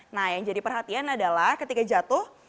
nah yang jadi perhatian adalah ketika jatuh